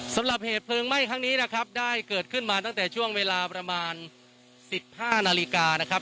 สำหรับเหตุเพลิงไหม้ครั้งนี้นะครับได้เกิดขึ้นมาตั้งแต่ช่วงเวลาประมาณ๑๕นาฬิกานะครับ